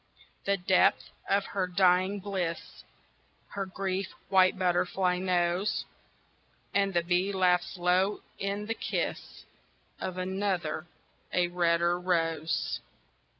The depth of her dying bliss Her grief white butterfly knows: And the bee laughs low in the kiss Of another, a redder rose.